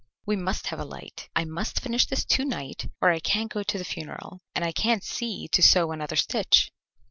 "We must have a light. I must finish this to night or I can't go to the funeral, and I can't see to sew another stitch."